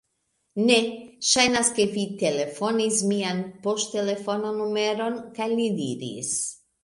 Ne. Ŝajnas ke vi telefonis mian poŝtelefon-numeron. kaj li diris: